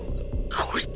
こいつ！